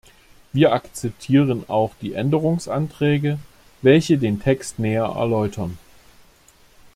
Wir akzeptieren auch die Änderungsanträge, welche den Text näher erläutern.